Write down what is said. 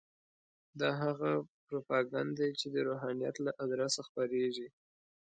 دا هغه پروپاګند دی چې د روحانیت له ادرسه خپرېږي.